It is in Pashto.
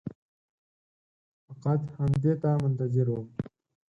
فقط همدې ته منتظر وم.